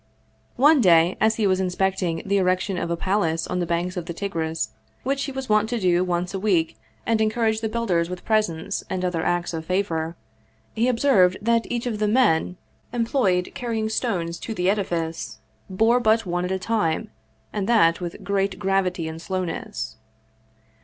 One day as he was inspecting the erection of a palace on the banks of the Tigris, which he was wont to do once a week, and encourage the builders with presents and other acts of favor, he observed that each of the men employed carrying stones to the edifice bore but one at a time, and that with great gravity and slowness.